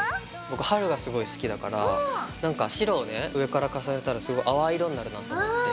僕春がすごい好きだからなんか白をね上から重ねたらすごい淡い色になるかなと思って。